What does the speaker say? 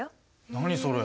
何それ？